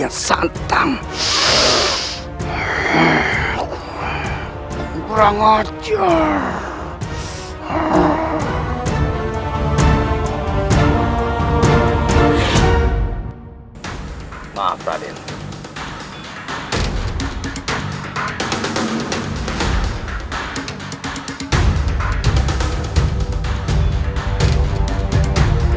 iya ibu punya agung